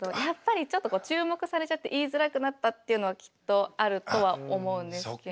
やっぱりちょっと注目されちゃって言いづらくなったっていうのはきっとあるとは思うんですけど。